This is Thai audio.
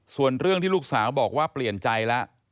ส่วนเรื่องที่ลูกสาวบอกว่าเปลี่ยนใจแล้ว